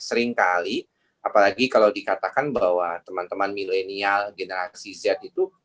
seringkali apalagi kalau dikatakan bahwa teman teman milenial generasi z itu